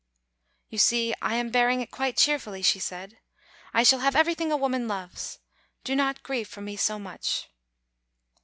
" You see, I am bearing it quite cheerfully," she said. " I shall have everything a woman loves ; do not grieve for me so much."